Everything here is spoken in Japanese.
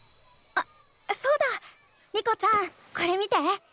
あそうだ。リコちゃんこれ見て。